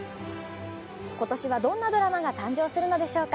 今年はどんなドラマが誕生するのでしょうか？